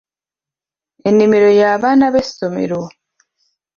Ennimiro y'abaana b'essomero